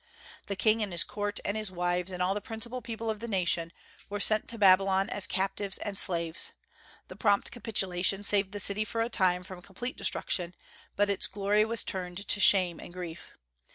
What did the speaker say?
The king and his court and his wives, and all the principal people of the nation, were sent to Babylon as captives and slaves. The prompt capitulation saved the city for a time from complete destruction; but its glory was turned to shame and grief.